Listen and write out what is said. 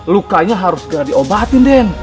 lukanya harus segera diobatin den